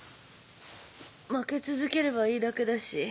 負け続ければいいだけだし。